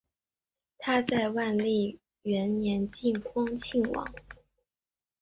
他在万历元年晋封庆王。